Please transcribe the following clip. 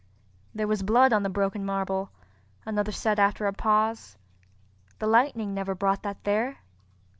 "There was blood on the broken marble," another said after a pause, "the lightning never brought that there.